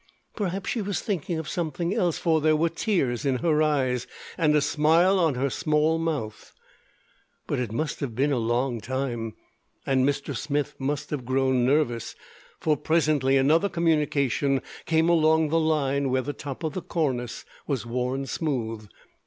Perhaps she was thinking of something else, for there were tears in her eyes and a smile on her small mouth. But it must have been a long time, and Mr. Smith must have grown nervous, for presently another communication came along the line where the top of the cornice was worn smooth.